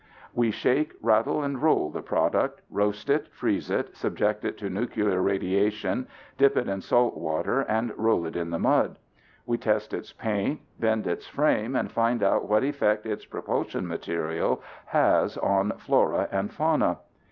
We shake, rattle and roll the product, roast it, freeze it, subject it to nuclear radiation, dip it in salt water and roll it in the mud. We test its paint, bend its frame and find out what effect its propulsion material has on flora and fauna.